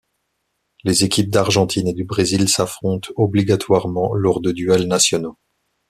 Les équipes d'Argentine et du Brésil s'affrontent obligatoirement lors de duels nationaux.